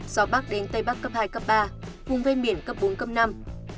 gió bắc đến tây bắc cấp hai cấp ba vùng ven biển cấp bốn cấp năm